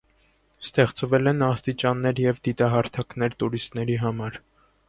Ստեղծվել են աստիճաններ և դիտահարթակներ տուրիստների համար։